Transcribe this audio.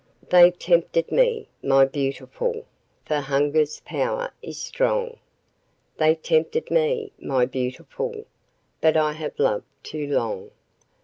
They tempted me, my beautiful! for hunger's power is strong, They tempted me, my beautiful! but I have loved too long.